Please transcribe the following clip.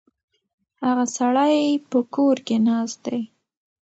هغه سړی په کور کې ناست دی.